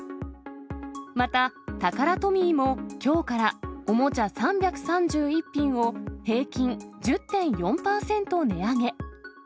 また、タカラトミーもきょうから、おもちゃ３３１品を平均１０．４％値上げ。